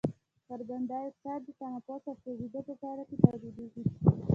کاربن ډای اکساید د تنفس او سوځیدو په پایله کې تولیدیږي.